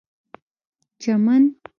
چمن